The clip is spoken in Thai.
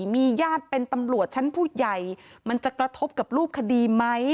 มีญาติเป็นตำรวจชั้นผู้ใหญ่มันจะกระทบกับรูปคดีไหม